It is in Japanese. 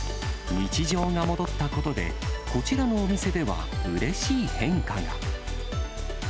日常が戻ったことで、こちらのお店ではうれしい変化が。